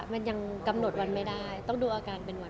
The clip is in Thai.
มันยังกำหนดวันไม่ได้ต้องดูอาการเป็นวัน